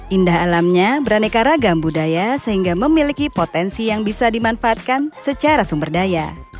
indah alamnya beraneka ragam budaya sehingga memiliki potensi yang bisa dimanfaatkan secara sumber daya